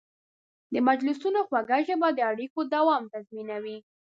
د مجلسونو خوږه ژبه د اړیکو دوام تضمینوي.